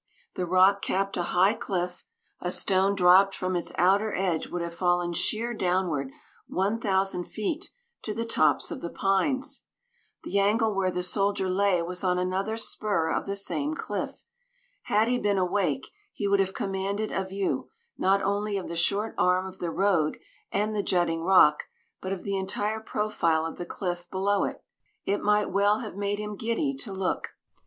The rock capped a high cliff; a stone dropped from its outer edge would have fallen sheer downward one thousand feet to the tops of the pines. The angle where the soldier lay was on another spur of the same cliff. Had he been awake, he would have commanded a view, not only of the short arm of the road and the jutting rock, but of the entire profile of the cliff below it. It might well have made him giddy to look.